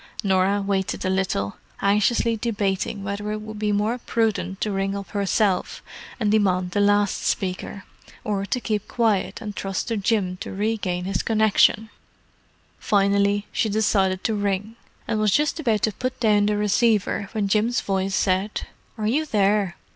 Norah waited a little, anxiously debating whether it would be more prudent to ring up herself and demand the last speaker, or to keep quiet and trust to Jim to regain his connexion. Finally, she decided to ring: and was just about to put down the receiver when Jim's voice said, "Are you there?"